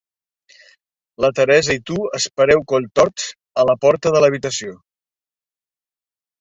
La Teresa i tu espereu colltorts a la porta de l'habitació.